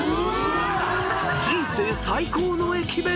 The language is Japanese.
［人生最高の駅弁！］